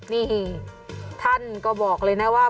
นี่ท่านก็บอกเลยนะว่า